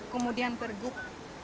kemudian pergub satu ratus dua puluh dua